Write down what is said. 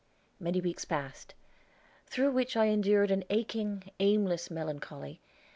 Many weeks passed, through which I endured an aching, aimless melancholy.